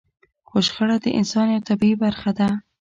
خو شخړه د انسان يوه طبيعي برخه ده.